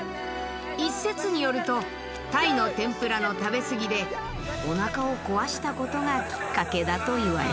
一説によると鯛の天ぷらの食べ過ぎでおなかを壊したことがきっかけだといわれている。